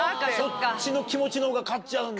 そっちの気持ちの方が勝っちゃうんだ？